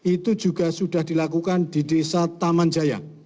itu juga sudah dilakukan di desa tamanjaya